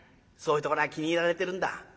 そういうところが気に入られてるんだ。